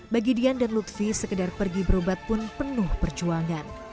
bagi dian dan lutfi sekedar pergi berobat pun penuh perjuangan